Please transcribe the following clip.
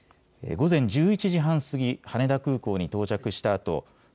午前１１時半過ぎ羽田空港に到着した